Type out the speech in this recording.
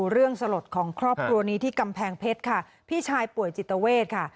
สลดของครอบครัวนี้ที่กำแพงเพชรค่ะพี่ชายป่วยจิตเวทค่ะ